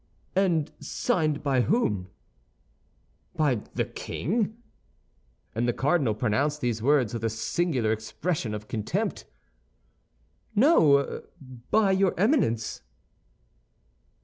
"And signed by whom—by the king?" And the cardinal pronounced these words with a singular expression of contempt. "No, by your Eminence."